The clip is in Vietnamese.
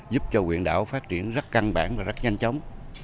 giúp cho quyền đảo phát triển rất căng bản và rất nhanh chóng